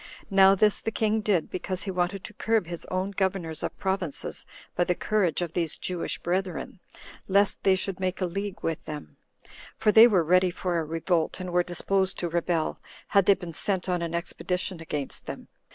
Now this the king did, because he wanted to curb his own governors of provinces by the courage of these Jewish brethren, lest they should make a league with them; for they were ready for a revolt, and were disposed to rebel, had they been sent on an expedition against them.